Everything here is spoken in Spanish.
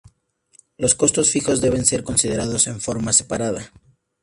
Los costos fijos deben ser considerados en forma separada.